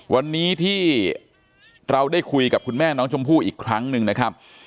วันนี้ที่เราได้คุยกับคุณแม่น้องชมพู่อีกครั้งหนึ่งนะครับ